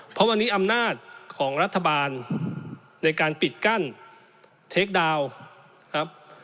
เพราะวันนี้อำนาจของรัฐบาลในการปิดกั้นเทคดาวน์ครับ